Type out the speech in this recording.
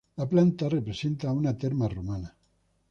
La planta representa una terma romana.